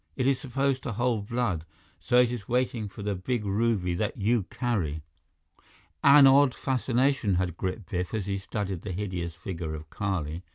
It is supposed to hold blood, so it is waiting for the big ruby that you carry!" An odd fascination had gripped Biff as he studied the hideous figure of Kali.